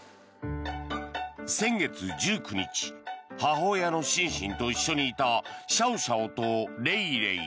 先月１９日母親のシンシンと一緒にいたシャオシャオとレイレイ。